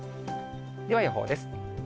では、予報です。